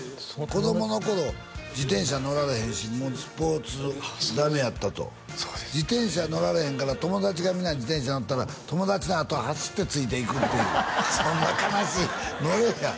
子供の頃自転車乗られへんしスポーツダメやったとそうです自転車乗られへんから友達が皆自転車乗ったら友達のあとを走ってついていくっていうそんな悲しい乗れや！